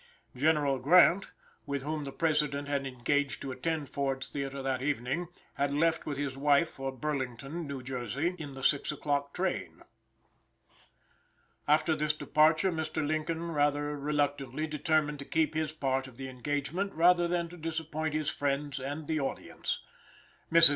General Grant, with whom the President had engaged to attend Ford's Theater that evening, had left with his wife for Burlington, New Jersey, in the 6 o'clock train. After this departure Mr. Lincoln rather reluctantly determined to keep his part of the engagement, rather than to disappoint his friends and the audience. Mrs.